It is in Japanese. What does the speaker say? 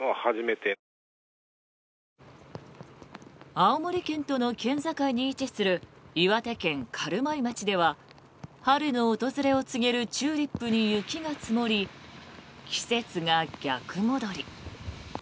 青森県との県境に位置する岩手県軽米町では春の訪れを告げるチューリップに雪が積もり季節が逆戻り。